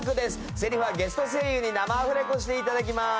せりふはゲスト声優に生アフレコしてもらいます。